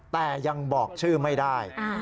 แต่ยังบอกชื่อไม่ได้